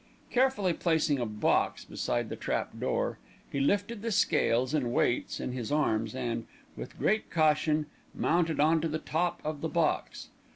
Carefully placing a box beside the trap door, he lifted the scales and weights in his arms and, with great caution, mounted on to the top of the box.